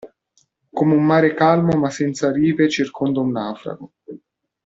Come un mare calmo ma senza rive circonda un naufrago.